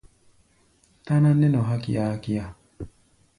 Táná nɛ́ nɔ hakia-hakia.